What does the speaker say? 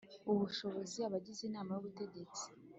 Ubushobozi abagize inama y ubutegetsi